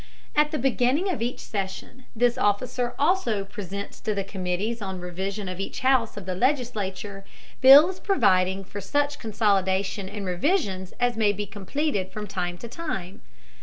At the beginning of each session this officer also presents to the committees on revision of each house of the legislature, bills providing for such consolidation and revisions as may be completed from time to time.